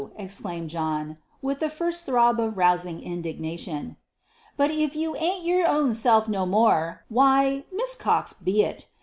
exclaimed John, with the first throb of rousing indignation. "But if you ain't your own self no more, why, Miss Cox be it.